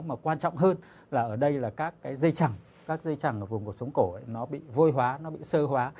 mà quan trọng hơn là ở đây là các cái dây chẳng các dây chẳng ở vùng cột sống cổ ấy nó bị vôi hóa nó bị sơ hóa